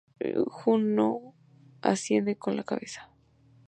Juno asiente con la cabeza.